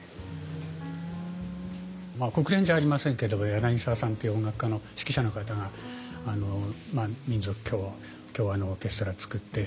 国連じゃありませんけども柳澤さんっていう音楽家の指揮者の方が民族協和のオーケストラ作って指揮されているとか。